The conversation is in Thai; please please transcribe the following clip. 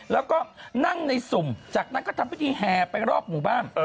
แล้วก็นั่งในสุ่มจากนั้นก็ทำพิธีแห่ไปรอบหมู่บ้าน